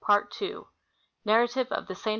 PART 11. NARRATIVE OF THE ST.